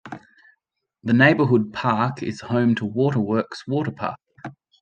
This neighborhood park is home to Waterworks Waterpark.